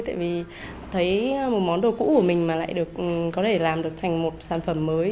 tại vì thấy một món đồ cũ của mình mà lại có thể làm được thành một sản phẩm mới